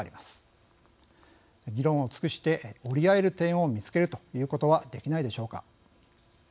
議論を尽くして折り合える点を見つけるということはできないでしょうか。